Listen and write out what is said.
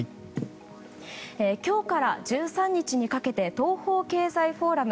今日から１３日にかけて東方経済フォーラム